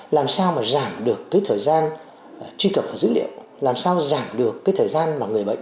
làm sao mà giảm được cái thời gian truy cập vào dữ liệu làm sao giảm được cái thời gian mà người bệnh